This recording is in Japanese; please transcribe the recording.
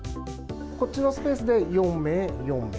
こっちのスペースで４名、４名。